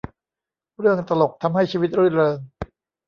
เรื่องตลก ทำให้ชีวิตรื่นเริง